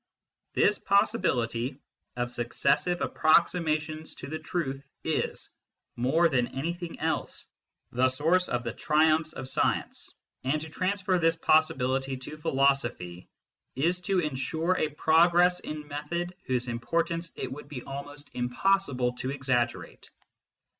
This possibility of successive approximations to the truth is, more than anything else, the source of the triumphs of science, and to transfer this possibility to philosophy is to ensure a progress in method whose importance it would be almost impossible to exaggerate.